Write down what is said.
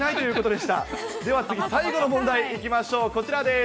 では次、最後の問題いきましょう、こちらです。